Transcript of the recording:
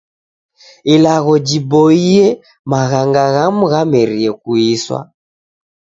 Ilagho jiboie maghanga ghamu ghamerie kuiswa.